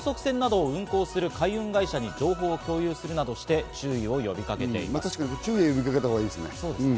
横浜海上保安部は付近で高速船などを運航する海運会社に情報を共有するなどして注意を呼びかけています。